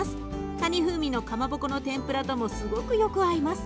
カニ風味のかまぼこの天ぷらともすごくよく合います。